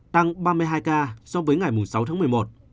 tăng ba mươi hai ca so với ngày sáu tháng một mươi một